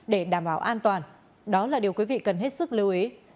để đảm bảo an toàn đó là điều quý vị cần hết sức lưu ý